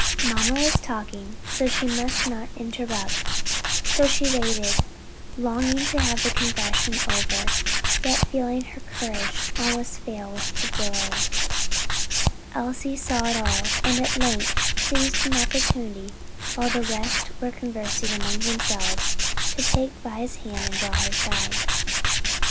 Mamma was talking, and she must not interrupt, so she waited, longing to have the confession over, yet feeling her courage almost fail with the delay. Elsie saw it all, and at length seized an opportunity while the rest were conversing among themselves, to take Vi's hand and draw her to her side.